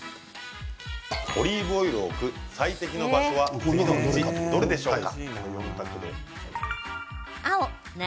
オリーブオイルを置く最適な場所は次のうち、どれでしょうか？